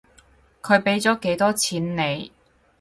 佢畀咗幾多錢你？